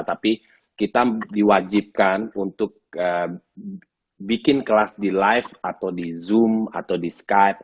tapi kita diwajibkan untuk bikin kelas di live atau di zoom atau di skype